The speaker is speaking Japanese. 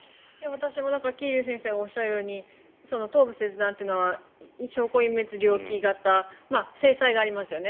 私も桐生先生がおっしゃるように頭部切断っていうのは証拠隠滅、猟奇型制裁がありますよね。